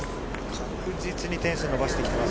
確実に点数伸ばしてきてます